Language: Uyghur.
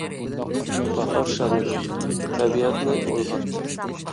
باھار شامىلى تەبىئەتنى ئويغاتتى.